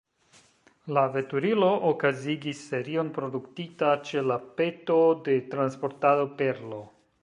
La veturilo okazigis serion produktita ĉe la peto de Transportado Perlo.